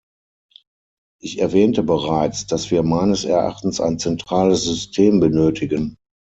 Ich erwähnte bereits, dass wir meines Erachtens ein zentrales System benötigen.